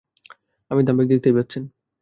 আমি দাম্ভিক, দেখতেই পাচ্ছেন।